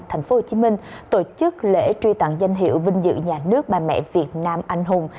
tp hcm tổ chức lễ truy tặng danh hiệu vinh dự nhà nước bà mẹ việt nam anh hùng